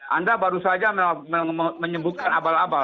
anda baru saja menyebutkan abal abal